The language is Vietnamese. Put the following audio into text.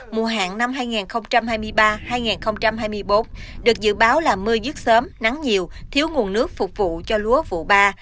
mùa hạn năm hai nghìn hai mươi ba hai nghìn hai mươi bốn được dự báo là mưa dứt sớm nắng nhiều thiếu nguồn nước phục vụ cho lúa vụ ba